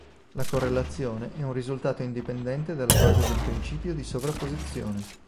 La correlazione è un risultato indipendente dalla base del principio di sovrapposizione.